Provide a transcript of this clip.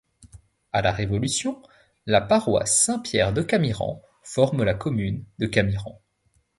À la Révolution, la paroisse Saint-Pierre de Camiran forme la commune de Camiran.